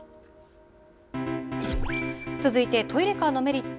続いてトイレカーのメリット